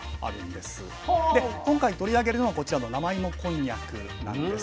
で今回取り上げるのはこちらの生芋こんにゃくなんです。